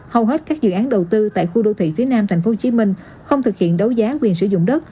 hầu hết các dự án đầu tư tại khu đô thị phía nam tp hcm không thực hiện đấu giá quyền sử dụng đất